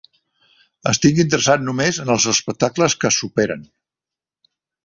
Estic interessat només en els espectacles que es superen.